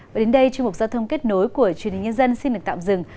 và đến đây chương mục giao thông kết nối của truyền hình nhân dân xin được tạm dừng